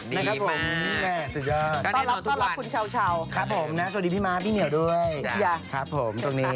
นะครับผมแม่สุดยอดต้อนรับคุณเช้าครับผมนะสวัสดีพี่ม้าพี่เหนียวด้วยครับผมตรงนี้